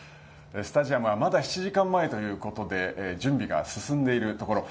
スタジアムはまだ７時間前ということで準備が進んでいるところ。